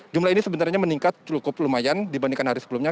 jumlah ini sebenarnya meningkat cukup lumayan dibandingkan hari sebelumnya